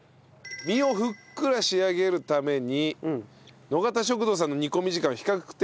身をふっくら仕上げるために野方食堂さんの煮込み時間は比較的短め。